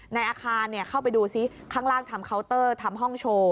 ในอาคารเข้าไปดูซิข้างล่างทำเคาน์เตอร์ทำห้องโชว์